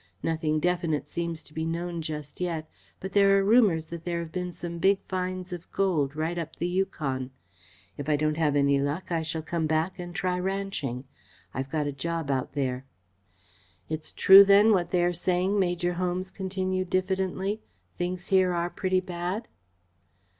Nothing definite seems to be known just yet, but there are rumours that there have been some big finds of gold right up the Yukon. If I don't have any luck, I shall come back and try ranching. I've got a job out there." "It's true then, what they are saying?" the Major continued diffidently. "Things here are pretty bad?"